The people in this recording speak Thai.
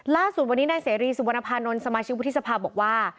ล่าสุดวันนี้นายเสรีสุวรรณภานนท์สมาชิกวุฒิสภาบอกว่า